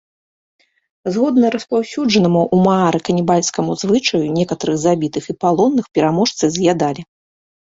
Згодна распаўсюджанаму ў маары канібальскаму звычаю, некаторых забітых і палонных пераможцы з'ядалі.